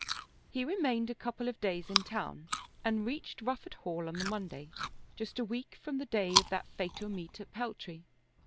He remained a couple of days in town and reached Rufford Hall on the Monday, just a week from the day of that fatal meet at Peltry.